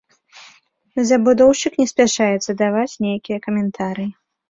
Забудоўшчык не спяшаецца даваць нейкія каментарыі.